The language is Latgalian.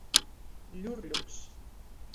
Ļurļuks.